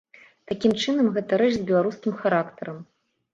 Такім чынам, гэта рэч з беларускім характарам.